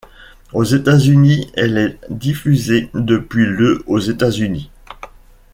Aux États-Unis, elle est diffusée depuis le aux États-Unis.